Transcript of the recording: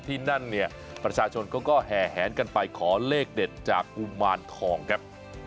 ที่นั่นเนี่ยประชาชนเขาก็แห่แหนกันไปขอเลขเด็ดจากกุมารทองครับ